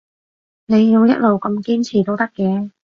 你要一路咁堅持都得嘅